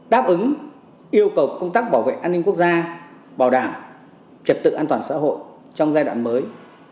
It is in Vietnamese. đáp ứng yêu cầu công tác bảo vệ an ninh quốc gia bảo đảm trật tự an toàn xã hội trong giai đoạn mới